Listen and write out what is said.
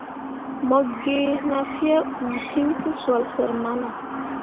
Mo ge na fyee uul ciŋ tǝsoole sər mana.